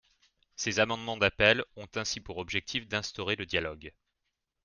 Ces amendements d’appel ont ainsi pour objectif d’instaurer le dialogue.